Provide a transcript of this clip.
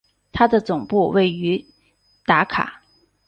它的总部位于达卡。